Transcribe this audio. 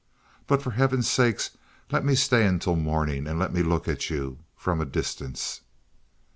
But for heaven's sake let me stay until morning and let me look at you from a distance!"